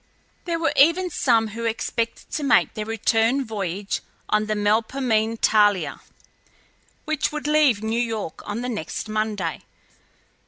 There were even some who expected to make their return voyage on the Melpomene Thalia, which would leave New York on the next Monday.